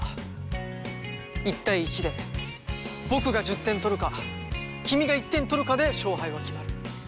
１対１で僕が１０点取るか君が１点取るかで勝敗は決まる。